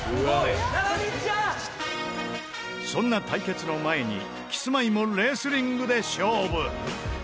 そんな対決の前にキスマイもレスリングで勝負。